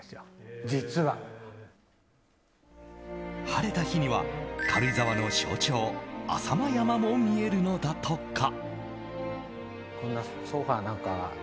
晴れた日には、軽井沢の象徴浅間山も見えるのだとか。